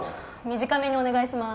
短めにお願いします。